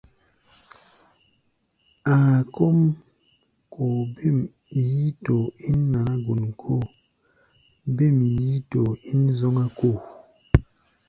Áa kɔ́ʼm koo bêm yíítoo ín naná-gun kóo, bêm yíítoo ín zɔ́ŋá-kóo.